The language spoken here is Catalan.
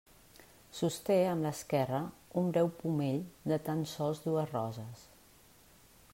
Sosté amb l'esquerra un breu pomell de tan sols dues roses.